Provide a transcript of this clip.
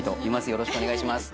よろしくお願いします。